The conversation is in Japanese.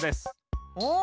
お！